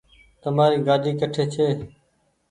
تمآري گآڏي ڪٺي ڇي